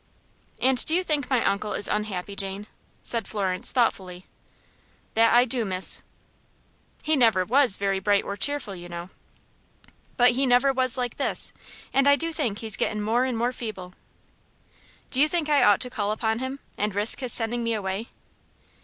"And do you think my uncle is unhappy, Jane?" said Florence, thoughtfully. "That I do, miss." "He never was very bright or cheerful, you know." "But he never was like this. And I do think he's gettin' more and more feeble." "Do you think I ought to call upon him, and risk his sending me away?"